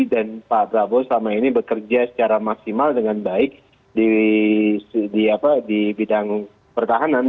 dan pak prabowo selama ini bekerja secara maksimal dengan baik di bidang pertahanan